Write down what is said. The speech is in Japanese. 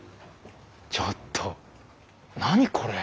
ちょっと何これ。